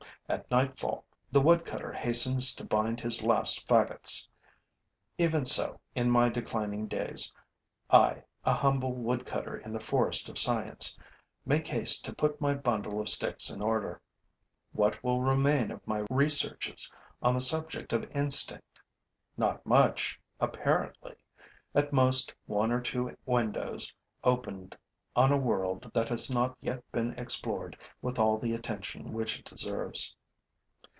At nightfall, the woodcutter hastens to bind his last fagots. Even so, in my declining days, I, a humble woodcutter in the forest of science, make haste to put my bundle of sticks in order. 'What will remain of my researches on the subject of instinct? Not much, apparently; at most, one or two windows opened on a world that has not yet been explored with all the attention which it deserves.